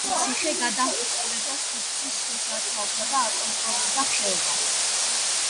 ეს ციხე გადაჰყურებდა სუფსის შესართავსა და აკონტროლებდა ხეობას.